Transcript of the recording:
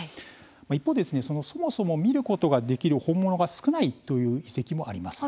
一方でそもそも見ることができる本物が少ないという遺跡もあります。